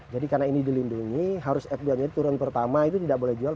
jadi karena ini dilindungi harus f dua nya turun pertama itu tidak boleh dijual